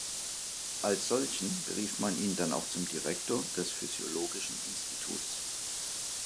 Als solchen berief man ihn dann auch zum Direktor des physiologischen Instituts.